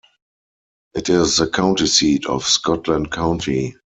It is the county seat of Scotland County.